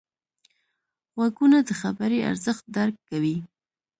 غوږونه د خبرې ارزښت درک کوي